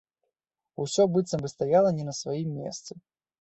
Усё быццам бы стаяла не на сваім месцы.